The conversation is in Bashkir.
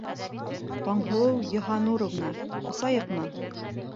Таңһылыу Йыһаннуровна, асайыҡмы?